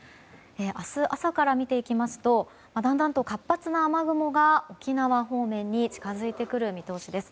明日朝から見ていきますとだんだんと活発な雨雲が沖縄方面に近づいてくる見通しです。